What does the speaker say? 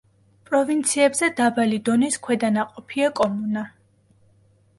პროვინციებზე დაბალი დონის ქვედანაყოფია კომუნა.